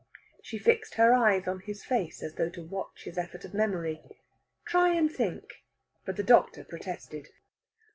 She fixed her eyes on his face, as though to watch his effort of memory. "Try and think." But the doctor protested.